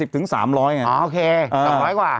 ๘๐ถึง๓๐๐ไงอ่าโอเค๓๐๐กว่า